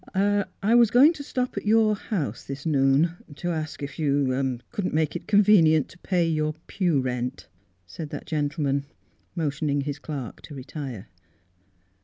" I was going to stop at your house this noon to ask if you couldn't make it convenient to pay your pew rent," said that gentleman, motioning his clerk to re tire.